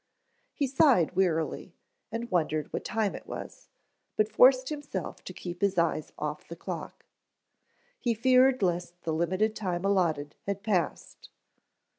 He sighed wearily, and wondered what time it was, but forced himself to keep his eyes off the clock. He feared lest the limited time allotted had passed.